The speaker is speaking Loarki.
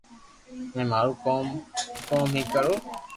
مي مارو ڪوم ڪوم ھي ڪروُ